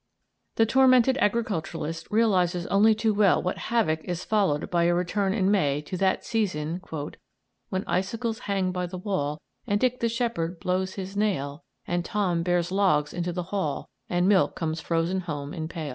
The tormented agriculturist realises only too well what havoc is followed by a return in May to that season "When icicles hang by the wall, And Dick the shepherd blows his nail And Tom bears logs into the hall, And milk comes frozen home in pail."